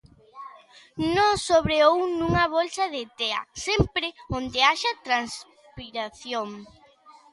No sobre ou nunha bolsa de tea, sempre onde haxa transpiración.